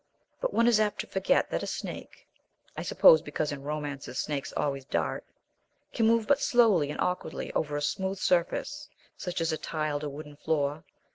But one is apt to forget that a snake (I suppose because in romances snakes always "dart") can move but slowly and awkwardly over a smooth surface, such as a tiled or wooden floor.